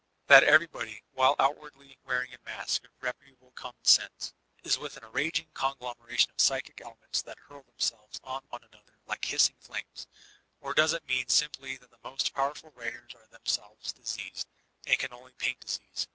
That everybody, while outwardly wearing a mask of reputable common sense, b within a raging coii glomeration of psychic elements that hurl themselves on one another like hbsing flames? Or does it mean sins ply that the most powerful writers are themselves dis eased, and can only paint disease?